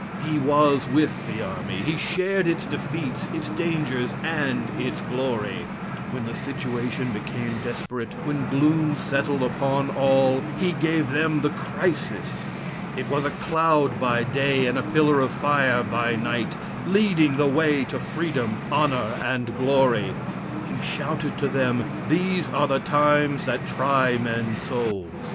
He was with the army. He shared its defeats, its dangers, and its glory. When the situation became desperate, when gloom settled upon all, he gave them the "Crisis." It was a cloud by day and a pillar of fire by night, leading the way to freedom, honor, and glory. He shouted to them "These are the times that try men's souls."